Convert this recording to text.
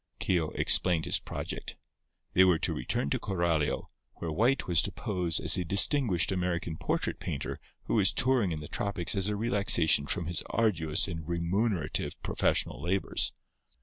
Keogh explained his project. They were to return to Coralio, where White was to pose as a distinguished American portrait painter who was touring in the tropics as a relaxation from his arduous and remunerative professional labours.